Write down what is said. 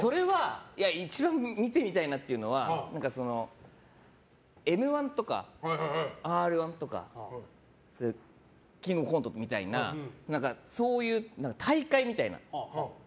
一度見てみたいなと思うのは「Ｍ‐１」とか「Ｒ‐１」とか「キングオブコント」みたいなそういう大会みたいな。